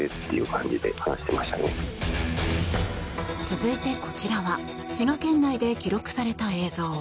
続いてこちらは滋賀県内で記録された映像。